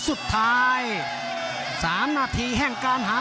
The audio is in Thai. ภูตวรรณสิทธิ์บุญมีน้ำเงิน